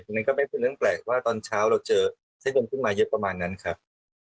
นั่นก็ไม่เป็นเรื่องแปลกว่าตอนเช้าเราเจอไส้ดมขึ้นมาเยอะประมาณนั้นครับ